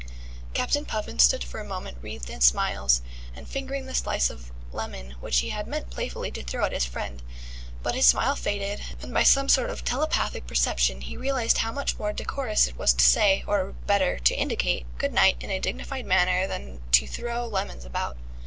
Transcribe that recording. Captain Puffin stood for a moment wreathed in smiles, and fingering the slice of lemon, which he had meant playfully to throw at his friend. But his smile faded, and by some sort of telepathic perception he realized how much more decorous it was to say (or, better, to indicate) goodnight in a dignified manner than to throw lemons about.